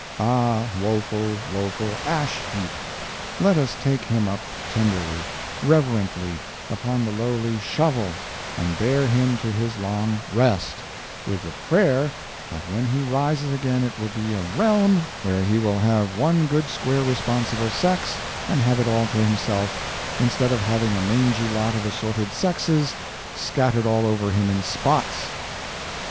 Ah, woeful, woeful Ash heap! Let us take him up tenderly, reverently, upon the lowly Shovel, and bear him to his long Rest, with the Prayer that when he rises again it will be a Realm where he will have one good square responsible Sex, and have it all to himself, instead of having a mangy lot of assorted Sexes scattered all over him in Spots.